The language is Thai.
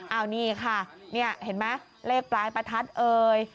เอานี่ค่ะนี่เห็นไหมเลขปลายประทัดเอ่ย